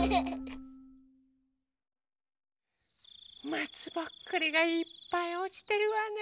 まつぼっくりがいっぱいおちてるわね。